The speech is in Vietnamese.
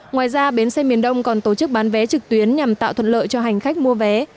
ngoài ra bến xe miền đông còn tổ chức bán vé trực tuyến nhằm tạo thuận lợi cho hành khách mua vé